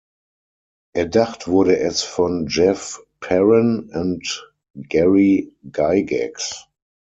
Erdacht wurde es von Jeff Perren und Gary Gygax.